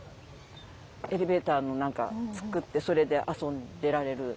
エレベーターの何か作ってそれで遊んでられる。